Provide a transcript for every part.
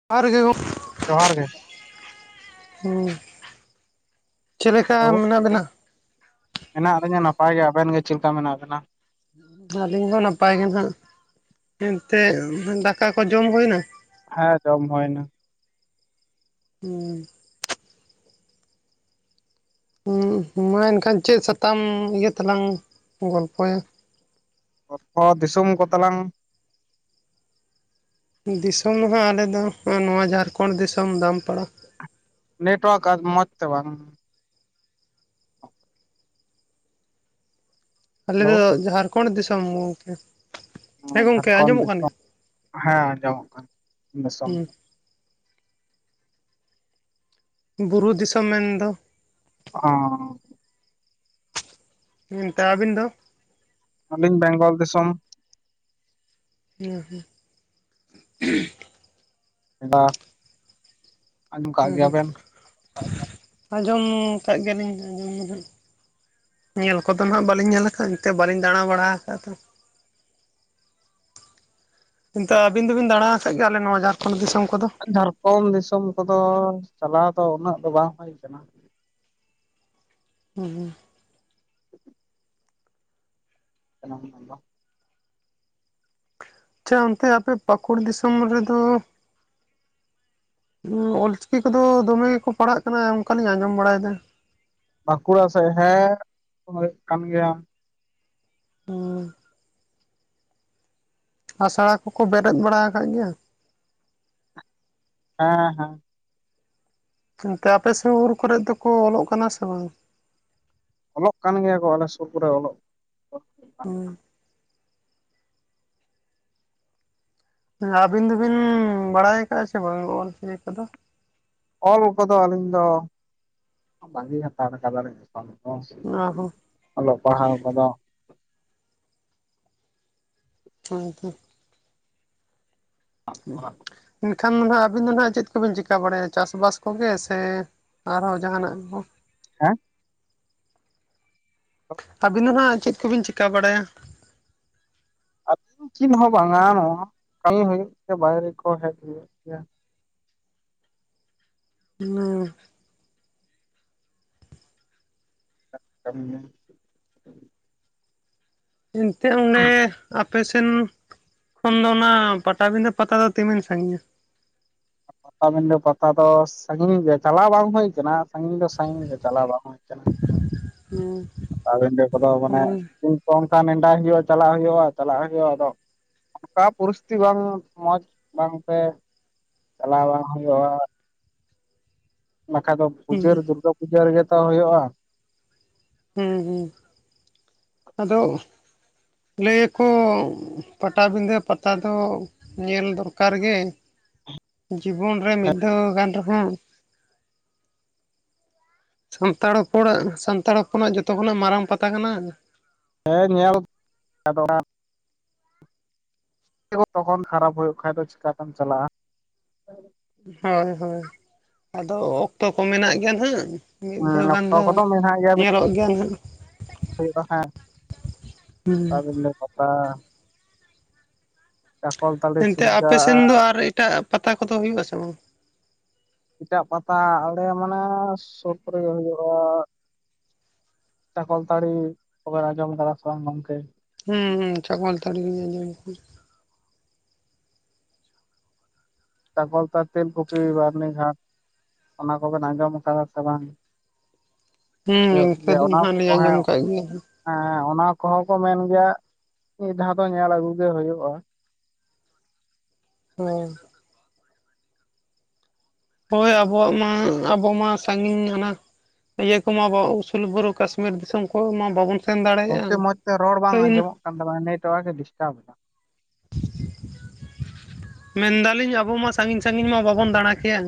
[unintelligible] ᱡᱚᱦᱟᱨ ᱜᱮ ᱾ ᱦᱮᱸ, ᱪᱮ ᱞᱮᱠᱟ ᱢᱮᱱᱟᱜ ᱵᱮᱱᱟ? ᱦᱮᱱᱟᱜ ᱞᱤᱧᱟᱹ ᱱᱟᱯᱟᱭ ᱜᱮ, ᱟᱵᱮᱱ ᱜᱮ ᱪᱮ ᱞᱮᱠᱟ ᱢᱮᱱᱟᱜ ᱵᱮᱱᱟ? ᱟᱹᱞᱤᱧ ᱦᱚᱸ ᱱᱟᱯᱟᱭ ᱜᱮ ᱱᱟᱦᱟᱜ, ᱮᱱᱛᱮ ᱫᱟᱠᱟ ᱠᱚ ᱡᱚᱢ ᱦᱩᱭ ᱱᱟ? ᱦᱮᱸ ᱡᱚᱢ ᱦᱳᱭ ᱱᱟ ᱾ ᱦᱮᱸ ᱦᱩᱸ ᱢᱟ ᱮᱱᱠᱷᱟᱱ ᱪᱮᱫ ᱥᱟᱛᱟᱢ ᱤᱭᱟᱹ ᱛᱮᱞᱟᱝ ᱜᱚᱞᱯᱚ ᱭᱟ? ᱜᱚᱞᱯᱷᱳ, ᱫᱤᱥᱚᱢ ᱠᱚ ᱛᱟᱞᱟᱝ ᱾ ᱫᱤᱥᱚᱢ ᱫᱚ ᱦᱟᱸᱜ ᱟᱞᱮ ᱫᱚ ᱱᱚᱣᱟ ᱡᱷᱟᱨᱠᱷᱚᱸᱰ ᱫᱤᱥᱚᱢ ᱫᱟᱢᱯᱟᱲᱟ ᱾ ᱱᱮᱴᱣᱟᱨᱠ ᱢᱚᱡᱽ ᱛᱮ ᱵᱟᱝ ᱾ ᱟᱞᱮ ᱦᱮᱞᱳ ᱫᱚ ᱡᱷᱟᱨᱠᱷᱚᱸᱰ ᱫᱤᱥᱚᱢ ᱜᱚᱝᱠᱮ ᱾ ᱚ ᱡᱷᱟᱲᱠᱷᱚᱸᱰ ᱫᱤᱥᱚᱢ, ᱦᱮᱸ ᱟᱸᱡᱟᱢ ᱚᱜ ᱠᱟᱱ, ᱫᱤᱥᱚᱢ ᱦᱩᱸ ᱵᱩᱨᱩ ᱫᱤᱥᱚᱢ ᱢᱮᱱ ᱫᱚ ᱾ ᱚ ᱦᱮᱸ ᱛᱚ ᱟᱹᱵᱤᱱ ᱫᱚ? ᱟᱹᱞᱤᱧ ᱵᱮᱝᱜᱚᱞ ᱫᱤᱥᱚᱢ᱾ ᱦᱩᱸ ᱦᱩᱸ [unintelligible] ᱦᱮᱸ ᱦᱮᱸ ᱜᱮᱭᱟᱵᱮᱱ ᱟᱸᱡᱚᱢ ᱠᱟᱜ ᱜᱮᱭᱟ ᱞᱤᱧ ᱟᱸᱡᱚᱢ ᱫᱚ ᱦᱟᱸᱜ᱾ ᱧᱮᱞ ᱠᱚᱫᱚ ᱦᱟᱸᱜ ᱵᱟᱞᱤᱧ ᱧᱮᱞ ᱟᱠᱟᱫᱼᱟ ᱮᱱᱛᱮᱜ ᱵᱟᱹᱞᱤᱧ ᱫᱟᱲᱟ ᱵᱟᱲᱟ ᱟᱠᱟᱫᱟ ᱛᱚ ᱾ ᱠᱤᱱᱛᱩ ᱟᱹᱵᱤᱱ ᱫᱚ ᱵᱤᱱ ᱫᱟᱲᱟ ᱟᱠᱟᱫ ᱜᱮᱭᱟ ᱟᱞᱮ ᱱᱚᱣᱟ ᱡᱷᱟᱲᱠᱷᱚᱸᱰ ᱫᱤᱥᱚᱢ ᱠᱚᱫᱚ? ᱡᱷᱟᱲᱠᱷᱚᱸᱰ ᱫᱤᱥᱚᱢ ᱠᱚᱫᱚ ᱪᱟᱞᱟᱣ ᱫᱚ ᱩᱱᱟᱹᱜ ᱫᱚ ᱵᱟᱝ ᱦᱳᱭ ᱠᱟᱱᱟ᱾ ᱦᱩᱸ ᱦᱩᱸ [unintelligible] ᱟᱪᱪᱷᱟ ᱚᱱᱛᱮ ᱟᱯᱮ ᱯᱟᱹᱠᱩᱲ ᱫᱤᱥᱚᱢ ᱨᱮ ᱫᱚᱼᱼ ᱚᱞ ᱪᱤᱠᱤ ᱠᱚ ᱫᱚ ᱫᱚᱢᱮ ᱜᱮ ᱠᱚ ᱯᱟᱲᱦᱟᱜ ᱠᱟᱱᱟ ᱚᱱᱠᱟ ᱞᱤᱧ ᱟᱸᱡᱚᱢ ᱵᱟᱲᱟᱭ ᱮᱫᱟ᱾ ᱵᱟᱸᱠᱩᱲᱟ ᱥᱮᱫ ᱦᱮᱸ ᱦᱳᱭᱳᱜ ᱠᱟᱱ ᱜᱮᱭᱟ᱾ ᱟᱹᱥᱲᱟ ᱠᱚᱠᱚ ᱵᱮᱨᱮᱫ ᱵᱟᱲᱟ ᱟᱠᱟᱫ ᱜᱮᱭᱟ? ᱦᱮᱸ ᱦᱮᱸ ᱮᱱᱛᱮ ᱟᱯᱮ ᱥᱩᱨ ᱠᱚᱨᱮᱫ ᱫᱚᱠᱚ ᱚᱞᱚᱜ ᱠᱟᱱᱟ ᱥᱮ ᱵᱟᱝ? ᱚᱞᱚᱜ ᱠᱟᱱ ᱜᱮᱭᱟ ᱠᱚ ᱟᱞᱮ ᱥᱩᱨ ᱠᱚᱨᱮ ᱚᱞᱚᱜ ᱦᱮᱸ ᱟᱹᱵᱤᱱ ᱫᱚᱵᱤᱱ ᱵᱟᱲᱟᱭ ᱟᱠᱟᱫᱼᱟ ᱥᱮ ᱵᱟᱝ ᱚᱞ ᱪᱤᱠᱤ ᱠᱚᱫᱚ? ᱚᱞ ᱠᱚ ᱫᱚ ᱟᱹᱞᱤᱧ ᱫᱚ ᱵᱟᱹᱜᱤ ᱦᱟᱛᱟᱲ ᱟᱠᱟᱫ ᱞᱤᱧ ᱚ ᱦᱚ ᱚᱞᱚᱜ ᱯᱟᱲᱦᱟᱣ ᱠᱚᱫᱚᱼᱼ [unintelligible] [unintelligible] ᱮᱱᱠᱷᱟᱱ ᱫᱚ ᱱᱟᱦᱟᱜ ᱟᱵᱤᱱ ᱫᱚ ᱱᱟᱦᱟᱜ ᱪᱮᱫ ᱠᱚᱵᱤᱱ ᱪᱤᱠᱟᱹ ᱵᱟᱲᱟᱭᱟ ᱪᱟᱥᱵᱟᱥ ᱠᱚᱜᱮ ᱥᱮ ᱟᱨᱦᱚᱸ ᱡᱟᱦᱟᱱᱟᱜ ᱠᱚ? ᱦᱮᱸ ᱟᱹᱵᱤᱱ ᱫᱚ ᱱᱷᱟᱜ ᱪᱮᱫ ᱠᱚᱵᱤᱱ ᱪᱤᱠᱟᱹ ᱵᱟᱲᱟᱭᱟ? [unintelligible] ᱪᱮᱫ ᱦᱚᱸ ᱵᱟᱝᱟ ᱱᱚᱣᱟ ᱠᱟᱹᱢᱤ ᱦᱩᱭᱩᱜ ᱜᱮᱭᱟ ᱵᱟᱭᱨᱮ ᱠᱚ ᱦᱮᱡ ᱦᱩᱭᱩᱜ ᱜᱮᱭᱟ ᱾ [unintelligible] [unintelligible] ᱮᱱᱛᱮ ᱚᱱᱮ ᱟᱯᱮᱥᱱ ᱠᱷᱚᱱ ᱫᱚ ᱚᱱᱟ ᱯᱟᱴᱟᱵᱤᱸᱫᱟᱹ ᱯᱟᱛᱟ ᱫᱚ ᱛᱤᱢᱤᱱ ᱥᱟᱹᱜᱤᱧᱟ? ᱯᱟᱛᱟᱵᱤᱱᱰᱟᱹ ᱯᱟᱛᱟ ᱫᱚ ᱥᱟᱹᱜᱤᱧ ᱧᱚᱜ ᱜᱮᱭᱟ ᱪᱟᱞᱟᱣ ᱵᱟᱝ ᱦᱩᱭ ᱠᱟᱱᱟ ᱥᱟᱹᱜᱤᱧ ᱫᱚ ᱥᱟᱹᱜᱤᱧ ᱜᱮ ᱪᱟᱞᱟᱣ ᱵᱟᱝ ᱦᱩᱭ ᱠᱟᱱᱟ [unintelligible] ᱯᱟᱴᱟᱵᱤᱸᱰᱟᱹ ᱠᱚᱫᱚ ᱢᱟᱱᱮ ᱦᱳᱭ ᱫᱤᱱ ᱠᱚ ᱚᱱᱠᱟ ᱱᱮᱰᱟᱭ ᱦᱩᱭᱩᱜᱼᱟ ᱪᱟᱞᱟᱜ ᱦᱩᱭᱩᱜᱼᱟ ᱪᱟᱞᱟᱜ ᱦᱩᱭᱩᱜᱼᱟ ᱟᱫᱚ ᱚᱱᱠᱟ ᱯᱚᱨᱤᱥᱛᱷᱤᱛᱤ ᱵᱟᱝ ᱢᱚᱡᱽ ᱵᱟᱝᱛᱮ ᱪᱟᱞᱟᱣ ᱵᱟᱝ ᱦᱩᱭᱩᱜᱼᱟ ᱾ ᱵᱟᱠᱷᱟᱡ ᱫᱚ ᱦᱩᱸ ᱯᱩᱡᱟᱹ ᱨᱮ ᱫᱩᱨᱜᱟᱹ ᱯᱩᱡᱟᱹ ᱨᱮᱜᱮ ᱛᱚ ᱦᱳᱭᱳᱜᱼᱟ ᱾ ᱦᱩᱸ ᱦᱩᱸ ᱟᱫᱚ ᱞᱟᱹᱭᱟᱠᱚ ᱯᱟᱴᱟᱵᱤᱸᱫᱟᱹ ᱯᱟᱛᱟ ᱫᱚ ᱧᱮᱞ ᱫᱚᱨᱠᱟᱨ ᱜᱮ ᱡᱤᱵᱚᱱ ᱨᱮ ᱢᱤᱫ ᱫᱷᱟᱣ ᱜᱟᱱ ᱨᱮᱦᱚᱸ ᱾ ᱥᱟᱱᱛᱟᱲ ᱦᱚᱯᱚᱱᱟᱜ ᱥᱟᱱᱛᱟᱲ ᱦᱚᱯᱚᱱᱟᱜ ᱡᱚᱛᱚ ᱠᱷᱚᱱᱟᱜ ᱢᱟᱨᱟᱝ ᱯᱟᱛᱟ ᱠᱟᱱᱟ ᱾ ᱦᱮᱸ ᱧᱮᱞ [unintelligible] [unintelligible] ᱛᱚᱠᱷᱚᱱ ᱠᱷᱟᱨᱟᱯ ᱦᱩᱭᱩᱜ ᱠᱷᱟᱱ ᱫᱚ ᱪᱤᱠᱟᱛᱮᱢ ᱪᱟᱞᱟᱜᱼᱟ ᱾ ᱦᱳᱭ ᱦᱳᱭ ᱟᱫᱚ ᱚᱠᱛᱚ ᱠᱚ ᱢᱮᱱᱟᱜ ᱜᱮᱭᱟ ᱱᱟᱦᱟᱜ ᱾ ᱢᱤᱫ ᱫᱷᱟᱣ ᱦᱮᱸ ᱜᱟᱱ ᱚᱠᱛᱚ ᱫᱚ ᱠᱚᱫᱚ ᱧᱮᱞᱚᱜ ᱜᱮᱭᱟ ᱱᱟᱜ ᱦᱩᱭᱩᱜ-ᱟ ᱦᱮ ᱦᱩᱸ ᱯᱟᱛᱟᱵᱤᱸᱰᱟᱹ ᱯᱟᱛᱟᱼᱼ ᱪᱟᱠᱚᱞᱛᱟᱲᱤ ᱮᱱᱛᱮ ᱥᱤᱞᱫᱟᱹ ᱟᱯᱮ ᱥᱮᱱ ᱫᱚ ᱼᱼ ᱟᱨ ᱮᱴᱟᱜ ᱯᱟᱛᱟ ᱠᱚᱫᱚ ᱦᱩᱭᱩᱜ ᱟᱥᱮ ᱵᱟᱝ? ᱮᱴᱟᱜ ᱯᱟᱛᱟ ᱟᱞᱮ ᱢᱟᱱᱮ ᱥᱩᱨ ᱠᱚᱨᱮ ᱦᱩᱭᱩᱜᱼᱟ ᱾ ᱪᱟᱠᱚᱞᱛᱟᱲᱤ ᱠᱚᱵᱮᱱ ᱟᱸᱡᱚᱢ ᱠᱟᱫᱟ ᱥᱮ ᱜᱚᱝᱠᱮ? ᱦᱩᱸ ᱦᱩᱸ ᱪᱟᱠᱚᱞ ᱛᱟᱲᱤ ᱞᱤᱧ ᱟᱸᱡᱚᱢ ᱟᱠᱟᱫᱟ᱾ ᱛᱟᱨᱯᱚᱨ [unintelligible] ᱛᱮᱞ ᱠᱚᱯᱤ ᱵᱟᱨᱱᱤ ᱜᱷᱟᱴ ᱾ ᱚᱱᱟ ᱠᱚᱵᱮᱱ ᱟᱸᱡᱚᱢ ᱟᱠᱟᱫᱟ ᱥᱮ ᱵᱟᱝ? ᱦᱩᱸ ᱦᱩᱭᱩᱜ ᱤᱱᱠᱟᱹ ᱜᱮᱭᱟ ᱫᱚ ᱚᱱᱟ ᱱᱟᱦᱟᱜ ᱞᱤᱧ ᱟᱸᱡᱚᱢ ᱦᱮᱸ ᱟᱠᱟᱜ ᱜᱮᱭᱟ᱾ ᱦᱮᱸ ᱚᱱᱟ ᱠᱚᱦᱚᱸ ᱠᱚ ᱢᱮᱱ ᱜᱮᱭᱟ, ᱢᱤᱫ ᱫᱷᱟᱣ ᱫᱚ ᱧᱮᱞ ᱟᱹᱜᱩ ᱜᱮ ᱦᱳᱭᱳᱜᱼᱟ ᱾ ᱦᱮᱸ [unintelligible] ᱦᱳᱭ ᱟᱵᱚᱣᱟᱜ ᱢᱟ, ᱟᱵᱚ ᱢᱟ ᱥᱟ. ᱜᱤᱧ ᱦᱟᱱᱟ ᱤᱭᱟᱹ ᱠᱚᱢᱟ [unintelligible] ᱩᱥᱩᱞ ᱵᱩᱨᱩ ᱠᱟᱥᱢᱤᱨ ᱫᱤᱥᱚᱢ ᱠᱚ ᱢᱟ ᱵᱟᱵᱚᱱ ᱥᱮᱱ ᱫᱟᱲᱮᱭᱟᱜᱼᱟ, ᱛᱚ ᱤᱱᱟᱹ ᱱᱮᱴ ᱳᱣᱟᱨᱠ ᱮ ᱰᱤᱥᱴᱟᱨᱵ ᱮᱫᱟ᱾ ᱢᱮᱱ ᱮᱫᱟᱞᱤᱧ ᱟᱵᱚ ᱢᱟ ᱥᱟᱹᱜᱤᱧ ᱥᱟᱹᱜᱤᱧ ᱢᱟ ᱵᱟᱵᱚᱱ ᱫᱟᱬᱟ ᱠᱮᱭᱟ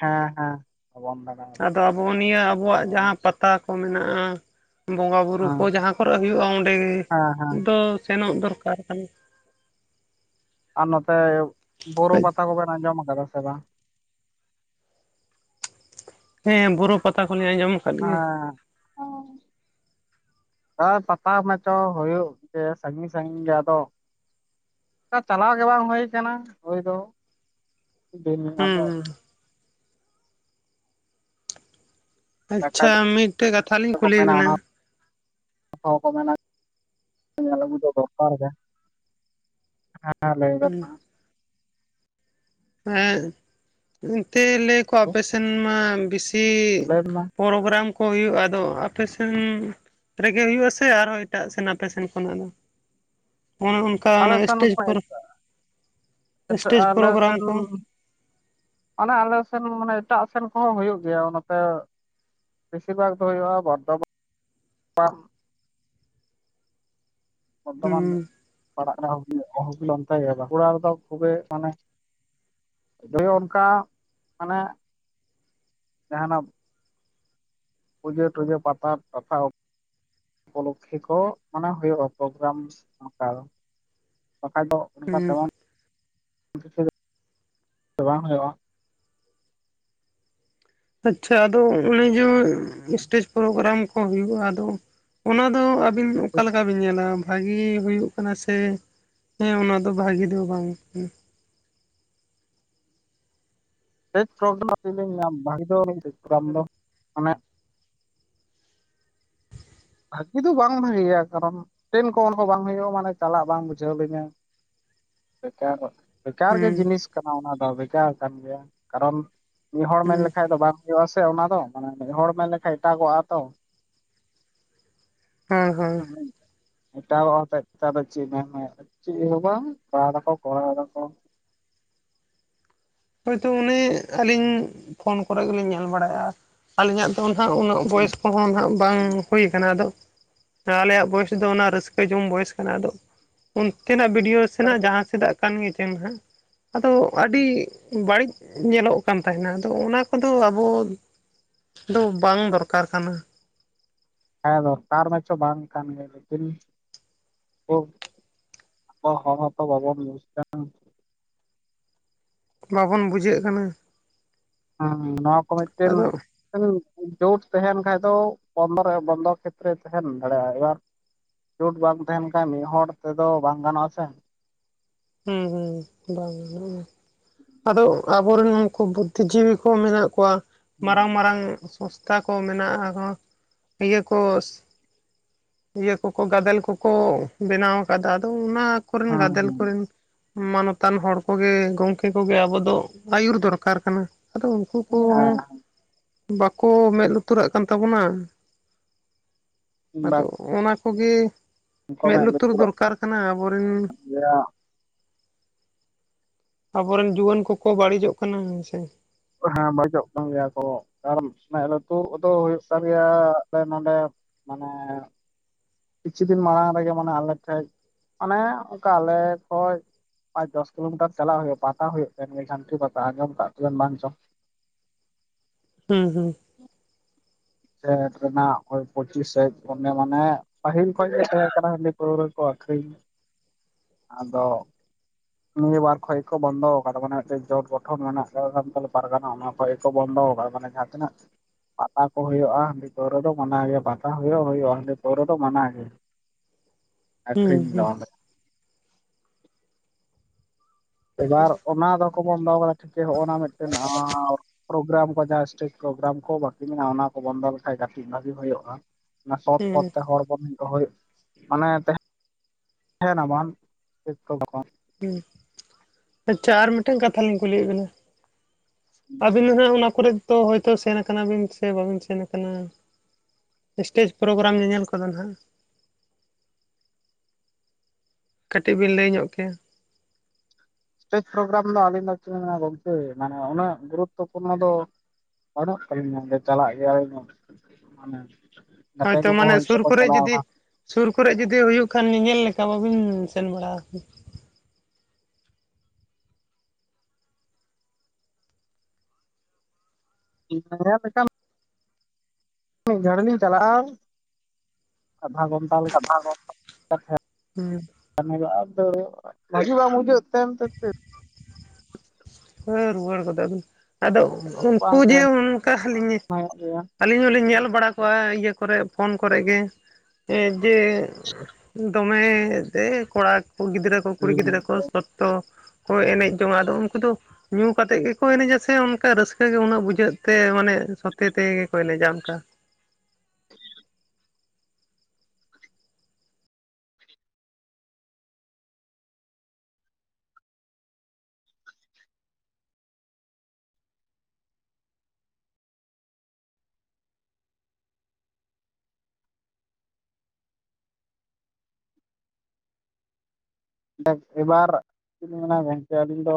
ᱦᱮᱸ ᱦᱮᱸ ᱵᱟᱵᱚᱱ ᱫᱟᱲᱮ ᱾ ᱦᱮᱸ ᱟᱫᱚ ᱟᱵᱚ ᱱᱤᱭᱟᱹ ᱟᱵᱚᱣᱟᱜ ᱡᱟᱦᱟᱸ ᱯᱟ ᱛᱟ ᱠᱚ ᱢᱮᱱᱟᱜᱼᱟ, ᱵᱚᱸᱜᱟ ᱵᱩᱨᱩ ᱠᱚ ᱡᱟᱦᱟᱸ ᱠᱚᱨᱮ ᱦᱩᱭᱩᱜᱼᱟ ᱚᱸᱰᱮᱻᱜᱮ ᱦᱮᱸ ᱦᱮᱸ ᱫᱚ ᱥᱮᱱᱚᱜ ᱫᱚᱨᱠᱟᱨ ᱠᱟᱱᱟ ᱾ ᱟᱨ ᱱᱚᱛᱮ ᱵᱳᱨᱳ ᱯᱟᱛᱟ ᱠᱚᱵᱮᱱ ᱟᱸᱡᱚᱢ ᱟᱠᱟᱫᱟ ᱥᱮ ᱵᱟᱝ? ᱦᱮᱸ ᱵᱳᱨᱳ ᱯᱟᱛᱟ ᱠᱚᱞᱤᱧ ᱟᱸᱡᱚᱢ ᱟᱠᱟᱫ ᱜᱮᱭᱟ [unintelligible] ᱦᱟᱸ ᱯᱟᱛᱟ ᱢᱟᱪᱚ ᱦᱩᱭᱩᱜ ᱜᱮ ᱥᱟᱹᱜᱤᱧ ᱥᱟᱜᱤᱧ ᱜᱮ ᱟᱫᱚ ᱠᱟ ᱪᱟᱞᱟᱣ ᱜᱮ ᱵᱟᱝ ᱦᱳᱭ ᱟᱠᱟᱱᱟ, ᱦᱳᱭ ᱫᱚ [unintelligible] ᱟᱫᱚ ᱦᱩᱸ ᱟᱪᱪᱷᱟ ᱵᱟᱠᱷᱟᱡ ᱢᱤᱫᱴᱮᱡ ᱠᱟᱛᱷᱟ ᱞᱤᱧ ᱫᱚᱠᱚ ᱠᱩᱞᱤ ᱮ ᱢᱮᱱᱟ ᱵᱮᱱᱟ ᱚᱱᱟ [unintelligible] ᱧᱮᱞ ᱟᱜᱩ ᱫᱚ ᱫᱚᱨᱠᱟᱨ ᱜᱮ [unintelligible] ᱦᱮᱸ ᱞᱟᱹᱭ ᱵᱮᱱ ᱢᱟ ᱾ ᱦᱮᱸ, ᱮᱱᱛᱮ ᱞᱟᱹᱭ ᱟᱠᱚ ᱟᱯᱮ ᱥᱮᱱ ᱢᱟ ᱵᱮᱥᱤ ᱞᱟᱹᱭ ᱢᱮ ᱯᱨᱳᱜᱨᱟᱢ ᱠᱚ ᱦᱩᱭᱩᱜ-ᱟ ᱟᱫᱚ ᱟᱯᱮ ᱥᱮᱱ ᱨᱮᱜᱮ ᱦᱩᱭᱩᱜ ᱟᱥᱮ ᱟᱨᱦᱚᱸ ᱮᱴᱟᱜ ᱥᱮᱱ ᱟᱯᱮ ᱥᱮᱱ ᱠᱷᱚᱱᱟᱜ ᱫᱚ? [unintelligible] ᱚᱱᱠᱟ ᱟᱞᱮ ᱥᱮᱱ ᱥᱴᱮᱡᱽ ᱠᱷᱚᱡ ᱯᱨᱳᱜ ᱮᱥᱴᱮᱡᱽ ᱯᱨᱳᱜᱨᱟᱢ ᱠᱚ ᱚᱼᱱᱮ ᱟᱼᱞᱮ ᱥᱮᱱ ᱢᱟᱹᱱᱮ ᱮᱴᱟᱜ ᱥᱮᱱ ᱠᱚᱦᱚᱸ ᱦᱩᱭᱩᱜ ᱜᱮᱼᱭᱟ ᱚᱼᱱᱟ ᱛᱮ ᱵᱮᱥᱤᱨ ᱵᱷᱟᱜᱽ ᱫᱚ ᱦᱩᱭᱩᱜᱼᱟ ᱵᱟᱨᱫᱷᱚ ᱢᱟᱱ᱾ ᱵᱚᱨᱫᱷᱚᱢᱟᱱ ᱦᱩᱸ ᱯᱟᱲᱟᱜ ᱠᱟᱱᱟ ᱤᱭᱟ. ᱦᱩᱜᱽᱞᱤ ᱚᱱᱛᱮ ᱜᱮ ᱵᱟᱸᱠᱩᱲᱟ ᱨᱮᱫᱚ ᱠᱷᱩᱵᱮ ᱢᱟᱱᱮ ᱫᱚᱭᱳ ᱚᱱᱠᱟ ᱢᱟᱱᱮ ᱡᱟᱦᱟᱸᱱᱟᱜ ᱯᱩᱡᱟᱹ ᱴᱩᱡᱟᱹ ᱯᱟᱛᱟ ᱠᱟᱛᱷᱟ ᱩᱯᱚᱞᱚᱠᱷᱮ ᱠᱚ ᱢᱟᱱᱮ ᱦᱩᱭᱩᱜᱼᱟ, ᱯᱳᱜᱨᱟᱢ ᱚᱱᱠᱟ ᱫᱚ ᱵᱟᱹᱠᱷᱟᱱ ᱫᱚ᱾ ᱚᱱᱠᱟ ᱦᱩᱸ ᱛᱮᱢᱚᱱ ᱵᱟᱝ ᱦᱩᱭᱩᱜᱼᱟ ᱟᱪᱷᱟ ᱟᱫᱚ ᱚᱱᱮ ᱡᱮ ᱥᱴᱮᱡᱽ ᱯᱨᱳᱜᱨᱟᱢ ᱠᱚ ᱦᱩᱭᱩᱜᱼᱟ ᱟᱫᱚ ᱚᱱᱟ ᱫᱚ᱾ ᱟᱹᱵᱤᱱ ᱚᱠᱟ ᱞᱮᱠᱟ ᱵᱤᱱ ᱧᱮᱞᱟ ᱵᱷᱟᱜᱮ ᱦᱩᱭᱩᱜ ᱠᱟᱱᱟ ᱥᱮ ᱦᱮᱸ ᱚᱱᱟ ᱫᱚ ᱵᱷᱟᱹᱜᱤ ᱫᱚ ᱵᱟᱝ ᱠᱟᱱᱟ [unintelligible] ᱟᱞᱤᱧ ᱞᱤᱧ ᱧᱟᱢ ᱵᱷᱟᱜᱤ ᱫᱚ ᱟᱢ ᱫᱚ ᱢᱟᱱᱮ ᱵᱷᱟᱹᱜᱤ ᱫᱚ ᱵᱟᱝ ᱵᱷᱟᱹᱜᱮᱼᱭᱟ ᱠᱟᱨᱚᱱ ᱴᱨᱮᱱ ᱠᱚ ᱚᱞ ᱵᱟᱝ ᱦᱩᱭᱩᱜᱼᱟ ᱢᱟᱱᱮ ᱪᱟᱞᱟᱜ ᱵᱟᱝ ᱵᱩᱡᱷᱟᱹᱣ ᱞᱤᱧᱟ ᱴ [inaudible] ᱵᱮᱠᱟᱨ ᱜᱮ ᱦᱩᱸ ᱡᱤᱱᱤᱥ ᱠᱟᱱᱟ ᱚᱱᱟ ᱫᱚ ᱵᱮᱠᱟᱨ ᱠᱟᱱ ᱜᱮᱭᱟ, ᱠᱟᱨᱚᱱ ᱢᱤᱫ ᱦᱚᱲ ᱢᱮᱱ ᱦᱩᱸ ᱞᱮᱠᱷᱟ ᱫᱚ ᱵᱟᱝ ᱦᱩᱭᱩᱜ ᱟᱥᱮ ᱚᱱᱟ ᱫᱚ ᱢᱟᱱᱮ ᱢᱤᱫ ᱦᱚᱲ ᱢᱮᱱ ᱞᱮᱠᱷᱟᱱ ᱮᱴᱟᱜᱚᱜᱼᱟ ᱛᱚ ᱦᱳᱭ ᱦᱳᱭ ᱦᱸ [unintelligible] ᱮᱴᱟᱜᱚ ᱦᱚᱛᱮ ᱛᱮ ᱟᱫᱚ ᱪᱮᱫ ᱮᱢ ᱪᱮᱫ ᱦᱚᱸ ᱵᱟᱝ ᱠᱚᱨᱟᱣ ᱫᱟᱠᱚ ᱠᱚᱨᱟᱣ ᱫᱟᱠᱚ ᱦᱳᱭ ᱛᱳ ᱩᱱᱤ ᱟᱹᱞᱤᱧ ᱯᱷᱳᱱ ᱠᱚᱨᱮ ᱜᱮᱞᱤᱧ ᱧᱮᱞ ᱵᱟᱲᱟᱭᱟ᱾ ᱟᱹᱞᱤᱧᱟᱜ ᱫᱚ ᱦᱟᱸᱜ ᱩᱱᱟᱹᱜ ᱵᱚᱭᱮᱥ ᱠᱚᱦᱚᱸ ᱦᱟᱸᱜ ᱵᱟᱝ ᱦᱩᱭ ᱟᱠᱟᱱᱟ ᱟᱫᱚ ᱟᱼᱞᱮᱭᱟᱜ ᱵᱚᱭᱮᱥ ᱫᱚ ᱚᱱᱟ ᱨᱟᱹᱥᱠᱟᱹ ᱡᱚᱝ ᱵᱚᱭᱮᱥ ᱠᱟᱱᱟ ᱟᱫᱚ, ᱩᱱᱠᱤᱱᱟᱜ ᱵᱷᱤᱰᱤᱭᱳ᱾ ᱥᱮᱱᱟᱜ ᱡᱟᱦᱟᱸᱥᱮᱫᱟᱜ ᱠᱟᱱ ᱜᱮ ᱪᱚ ᱦᱟᱸᱜ ᱟᱫᱚ ᱟᱹᱰᱤ ᱵᱟᱹᱲᱤᱡ ᱧᱮᱞᱚᱜ ᱠᱟᱱ ᱛᱟᱦᱮᱱᱟ ᱟᱫᱚ ᱚᱱᱟ ᱠᱚᱫᱚ ᱟᱵᱚ ᱫᱚ ᱵᱟᱝ ᱫᱚᱨᱠᱟᱨ ᱠᱟᱱᱟ ᱦᱮᱸ ᱫᱚᱨᱠᱟᱨ ᱢᱟᱪᱚ ᱵᱟᱝ ᱠᱟᱱ ᱜᱮᱼᱭᱟ ᱞᱮᱠᱤᱱ ᱚ ᱦᱚᱲ ᱦᱚᱸ ᱛᱚ ᱵᱩᱡᱽ ᱮᱫᱟ ᱵᱟᱵᱚᱱ ᱵᱩᱡᱟᱹᱜ ᱠᱟᱱᱟ᱾ ᱦᱩᱸ ᱱᱚᱣᱟᱸ ᱠᱚᱢᱟ ᱪᱮᱢ ᱟᱫᱚ [unintelligible] ᱡᱳᱴ ᱛᱟᱦᱮᱸᱱ ᱠᱷᱟᱡ ᱫᱚ ᱵᱚᱱ ᱵᱚᱱᱫᱚ ᱠᱷᱮᱛᱨᱮ ᱛᱟᱦᱮᱸᱱ ᱫᱟᱲᱮᱭᱟᱜᱼᱟ ᱡᱳᱴ ᱵᱟᱢ ᱛᱟᱦᱮᱸᱱ ᱠᱷᱟᱱ ᱢᱤᱫ ᱦᱚᱲ ᱛᱮᱫᱚ ᱵᱟᱝ ᱜᱟᱱᱚᱜᱼᱟ ᱥᱮ᱾ ᱦᱩᱸ ᱦᱩᱸ ᱵᱟᱝ ᱜᱟᱱᱚᱜᱼᱟ, ᱟᱫᱚ ᱟᱵᱚ ᱨᱮᱱ ᱩᱱᱠᱩ ᱵᱩᱫᱽᱫᱷᱤ ᱡᱤᱵᱤ ᱠᱚ ᱢᱮᱱᱟᱜ ᱠᱚᱸᱣᱟ ᱢᱟᱨᱟᱝ ᱢᱟᱨᱟᱝ ᱥᱚ ᱛᱟ ᱠᱚ ᱢᱮᱱᱟᱜᱼᱟ ᱤᱭᱟ ᱠᱚ ᱤᱭᱟᱹ ᱠᱚ ᱠᱚ ᱜᱟᱫᱮᱞ ᱠᱚ ᱠᱚ ᱵᱮᱱᱟᱣ ᱠᱟᱫᱟ, ᱟᱫᱚ ᱚᱱᱟᱹ ᱠᱚᱨᱮᱱ ᱜᱟᱫᱮᱞ ᱠᱚᱨᱮᱱ ᱢᱟᱱᱚᱛᱟᱱ ᱦᱚᱲ ᱠᱚᱜᱮ ᱜᱚᱝᱠᱮ ᱠᱚᱜᱮ ᱟᱵᱚᱸ ᱫᱚ ᱟᱹᱭᱩᱨ ᱫᱚᱨᱠᱟᱨ ᱠᱟᱱᱟ ᱟᱫᱚ ᱠᱩ ᱠᱚᱦᱚᱸ ᱵᱟᱠᱚ ᱢᱮᱫ ᱞᱩᱛᱩᱨᱟᱜ ᱠᱟᱱ ᱛᱟᱵᱚᱱᱟ᱾ ᱦᱮᱸ ᱟᱫᱚ ᱵᱟᱝ ᱚᱱᱟ ᱠᱚᱜᱮ ᱠᱚ ᱢᱮᱫ ᱞᱩᱛᱩᱨ ᱞᱩᱛᱩᱨᱟᱜ ᱫᱚᱨᱠᱟᱨ ᱠᱟᱱᱟ ᱟᱵᱚᱨ ᱨᱮᱱ [unintelligible] ᱟᱵᱚ ᱨᱮᱱ ᱡᱩᱣᱟᱹᱱ ᱠᱚᱠᱚ ᱵᱟᱹᱲᱤᱡᱚᱜ ᱠᱟᱱᱟ ᱦᱮᱸᱥᱮ᱾ ᱦᱮᱸ ᱵᱟᱡᱚᱜ ᱠᱟᱱ ᱜᱮᱭᱟ ᱠᱚ ᱠᱟᱨ ᱢᱮᱜ ᱞᱟᱹᱛᱩ ᱫᱚ ᱦᱳᱭᱳᱜ ᱠᱟᱱ ᱜᱮᱭᱟ ᱟᱞᱮ ᱱᱚᱸᱰᱮ ᱢᱟᱱᱮ ᱠᱤᱪᱷᱩ ᱫᱤᱱ ᱢᱟᱲᱟᱝ ᱨᱮᱜᱮ ᱢᱟᱱᱮ ᱟᱞᱮ ᱴᱷᱮᱡ, ᱢᱟᱱᱮ ᱚᱝᱠᱟ ᱟᱞᱮ ᱠᱷᱚᱡ ᱯᱟᱸᱪ ᱫᱚᱥ ᱜᱟᱱᱴᱟ ᱪᱟᱞᱟᱜ ᱦᱳᱭᱳᱜᱼᱟ, ᱯᱟᱛᱟ ᱦᱳᱭᱳᱜᱼᱟ ᱠᱟᱱ ᱜᱮ ᱡᱷᱟᱹᱱᱴᱤ ᱯᱟᱛᱟ ᱟᱡᱚᱢ ᱠᱟᱜᱵᱮᱱ ᱵᱟᱝ ᱪᱚ᱾ ᱦᱩᱸ ᱦᱩᱸ ᱥᱮᱴ ᱨᱮᱱᱟᱜ ᱳᱭ ᱯᱚᱸᱪᱤᱥ ᱥᱟᱭᱡ ᱚᱱᱮ ᱢᱟᱱᱮ ᱯᱟᱹᱤᱞ ᱠᱷᱚᱡ ᱜᱮ ᱛᱟᱦᱮ ᱠᱟᱱᱟ ᱦᱟᱺᱰᱤ ᱯᱟᱹᱣᱨᱟᱹᱠᱚ ᱟᱹᱠᱷᱨᱤᱧ᱾ ᱟᱫᱚ᱾ ᱱᱤᱭᱟᱹ ᱵᱟᱨ ᱠᱷᱚᱡ ᱠᱚ ᱵᱚᱱᱫᱚ ᱠᱟᱫᱟ ᱢᱟᱱᱮ ᱫᱚᱞ ᱜᱚᱴᱷᱚᱱ ᱢᱮᱱᱟᱜ ᱠᱟᱫᱟ ᱥᱟᱱᱛᱟᱞᱤ ᱯᱟᱨᱜᱟᱱᱟ ᱚᱱᱟ ᱠᱷᱚᱡ ᱜᱮᱠᱚ ᱵᱚᱱᱫᱚ ᱢᱟᱱᱮ ᱡᱟᱦᱟᱸ ᱛᱤᱱᱟᱹᱜ ᱯᱟᱛᱟ ᱠᱚ ᱦᱳᱭᱳᱜᱼᱟ ᱦᱟᱺᱰᱤ ᱯᱟᱹᱣᱨᱟᱹ ᱫᱚ ᱢᱟᱱᱟᱣ ᱜᱮ ᱯᱟᱛᱟ ᱦᱳᱭᱳᱜ ᱦᱳᱭᱳᱜᱼᱟ ᱦᱟᱺᱰᱤ ᱯᱟᱹᱣᱨᱟᱹ ᱫᱚ ᱢᱟᱱᱟ ᱜᱮ᱾ ᱦᱩᱸ ᱟᱹᱠᱷᱨᱤᱧ ᱦᱩᱸ ᱫᱚ ᱮᱵᱟᱨ ᱚᱱᱟ ᱫᱚᱠᱚ ᱵᱚᱱᱫᱟ ᱠᱟᱫᱟ ᱴᱷᱤᱠ ᱜᱮ ᱦᱚᱜ [unintelligible] ᱯᱨᱳᱜᱨᱟᱢ ᱠᱚ ᱡᱟᱦᱟᱸ ᱥᱴᱮᱡᱽ ᱯᱨᱳᱜᱨᱟᱢ ᱠᱚ ᱵᱟᱠᱤ ᱢᱮᱱᱟᱜᱼᱟ ᱚᱱᱟ ᱠᱚ ᱵᱚᱱᱫᱚ ᱞᱮᱠᱷᱟᱡ ᱜᱟᱛᱮᱜ ᱦᱳᱭᱳᱜᱼᱟ᱾ ᱚᱱᱟ ᱥᱚᱛ ᱦᱩᱸ ᱯᱷᱚᱛ ᱛᱮ ᱦᱚᱲ ᱵᱚᱱ ᱫᱚᱦᱚᱭᱮ ᱢᱟᱱᱮ ᱛᱮᱦᱮ [unintelligible] ᱦᱩᱸ ᱟᱪᱪᱷᱟ ᱟᱨ ᱢᱤᱫᱴᱟᱝ ᱠᱟᱛᱷᱟ ᱞᱤᱧ ᱠᱩᱞᱤᱭᱮᱜ ᱵᱤᱱᱟ᱾ ᱟᱵᱤᱱ ᱫᱚ ᱦᱟᱜ ᱚᱱᱟ ᱠᱚᱨᱮ ᱫᱚ ᱦᱚᱭᱛᱚ ᱥᱮᱱ ᱟᱠᱟᱱᱟᱵᱤᱱ ᱥᱮ ᱵᱟᱵᱤᱱ ᱥᱮᱱ ᱟᱠᱟᱱᱟ? ᱥᱴᱮᱡᱽ ᱯᱨᱳᱜᱨᱟᱢ ᱧᱮᱧᱮᱞ ᱠᱚᱫᱚ ᱱᱟᱦᱟᱜ᱾ ᱠᱟᱹᱴᱤᱡ ᱵᱤᱱ ᱞᱟᱹᱭ ᱧᱚᱜ ᱠᱮᱭᱟ? ᱥᱴᱮᱡᱽ ᱯᱨᱳᱜᱨᱟᱢ ᱫᱚ ᱟᱹᱞᱤᱧ ᱫᱚᱱᱟ ᱜᱚᱝᱠᱮ ᱢᱟᱱᱮ ᱩᱱᱟᱹᱜ ᱜᱩᱨᱩᱛᱚᱯᱩᱨᱱᱚ ᱫᱚ ᱵᱟᱹᱱᱩᱜ ᱛᱟᱞᱤᱧᱟ ᱡᱮ ᱪᱟᱞᱟᱜ ᱜᱮᱭᱟᱞᱤ ᱢᱟᱱᱮ ᱜᱟᱛᱮ ᱦᱳᱭᱛᱚ ᱠᱚᱠᱚ ᱢᱟᱱᱮ ᱦᱚᱭᱛᱚ ᱥᱩᱨ ᱠᱚ ᱠᱚᱨᱮ ᱪᱟᱞᱟᱣ ᱡᱩᱫᱤ ᱠᱟᱱᱟ ᱥᱩᱨ ᱠᱚᱨᱮ ᱡᱩᱫᱤ ᱦᱳᱭᱳᱜ ᱠᱷᱟᱱ, ᱧᱮᱧᱮᱞ ᱞᱮᱠᱟ ᱵᱟᱹᱵᱤᱱ ᱥᱮᱱ ᱵᱟᱲᱟ ᱠᱟᱱᱟ? [inaudible] ᱢᱤᱫ ᱜᱷᱟᱹᱲᱤ ᱞᱤᱧ ᱪᱟᱞᱟᱜᱼᱟ, ᱟᱫᱷᱟ ᱟᱠᱟᱱᱟ? [unintelligible] [inaudible] ᱦᱮᱸ ᱨᱩᱣᱟᱹᱲ ᱜᱚᱫᱚᱜ ᱟᱵᱤᱱ ᱩᱝᱠᱩ ᱵᱟᱝ ᱡᱮ ᱛᱟᱦᱮᱱ ᱚᱱᱠᱟᱜ ᱦᱟᱹᱞᱤᱧ ᱦᱩᱭᱩᱜ ᱜᱮᱭᱟ ᱟᱹᱞᱤᱧ ᱫᱩᱞᱤᱧ ᱧᱮᱞ ᱵᱟᱲᱟ ᱠᱚᱜᱣᱟ ᱤᱭᱟᱹ ᱠᱚᱨᱮ ᱯᱷᱳᱱ ᱠᱚᱨᱮ ᱮ ᱡᱮ ᱫᱚᱢᱮ ᱫᱮ ᱠᱚᱲᱟ ᱠᱚ ᱜᱤᱫᱽᱨᱟᱹ ᱠᱚ ᱠᱩᱲᱤ ᱜᱤᱫᱽᱨᱟᱹ ᱠᱚ ᱥᱚᱛᱛᱚ ᱠᱚ ᱮᱱᱮᱡ ᱡᱚᱝᱼᱟ ᱩᱝᱠᱩ ᱫᱚ ᱧᱩ ᱠᱟᱛᱮᱜ ᱜᱮᱠᱚ ᱮᱱᱮᱡᱟ ᱥᱮ ᱚᱱᱠᱟ ᱨᱟᱹᱥᱠᱟᱹ ᱜᱮ ᱩᱱᱟᱹᱜ ᱵᱩᱡᱷᱟᱹᱜ ᱛᱮ ᱢᱟᱱᱮ ᱥᱚᱛᱮ ᱛᱮᱜᱮᱠᱚ ᱮᱱᱮᱡᱟ ᱚᱝᱠᱟ? ᱫᱮ ᱮᱵᱟᱨ ᱪᱮᱫ ᱞᱤᱧ ᱢᱮᱱᱟ ᱜᱚᱝᱠᱮ ᱟᱹᱞᱤᱧ ᱫᱚ